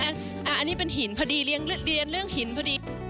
อันนี้เป็นหินพอดีเรียนเรื่องหินพอดี